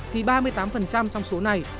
thì ba mươi tám trong số này